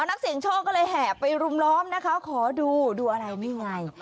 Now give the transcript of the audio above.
นักเสียงโชคก็เลยแห่ไปรุมล้อมนะคะขอดูดูอะไรนี่ไง